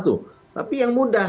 tapi yang mudah